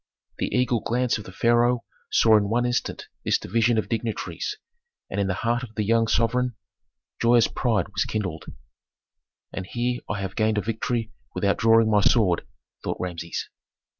The eagle glance of the pharaoh saw in one instant this division of dignitaries, and in the heart of the young sovereign joyous pride was kindled. "And here I have gained a victory without drawing my sword," thought Rameses.